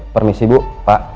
permisi bu pak